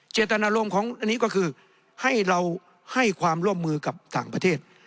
เจตนารมณ์ของอันนี้ก็คือให้เราให้ความร่วมมือกับต่างประเทศ